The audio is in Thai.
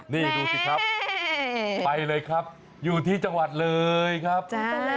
ได้จังมาภาพยูดูหน่อยได้ด้ามาค่ะ